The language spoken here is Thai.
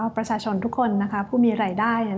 ประชาชนทุกคนผู้มีรายได้